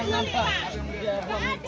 tidak ada penganiayaan